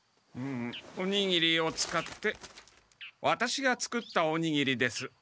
おにぎりを使ってワタシが作ったおにぎりです。